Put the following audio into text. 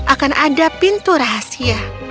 akan ada pintu rahasia